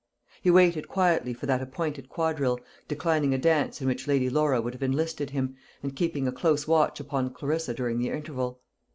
He waited quietly for that appointed quadrille, declining a dance in which Lady Laura would have enlisted him, and keeping a close watch upon Clarissa during the interval.